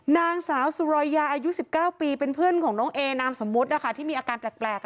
นางสาวสุรอยาอายุสิบเก้าปีเป็นเพื่อนของน้องเอนามสมมุตร